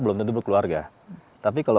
belum tentu berkeluarga tapi kalau